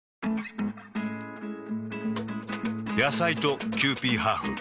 野菜とキユーピーハーフ。